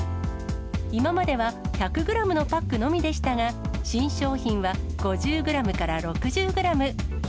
今までは１００グラムのパックのみでしたが、新商品は５０グラムから６０グラム。